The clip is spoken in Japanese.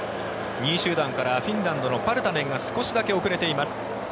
２位集団からフィンランドのパルタネンが少しだけ遅れています。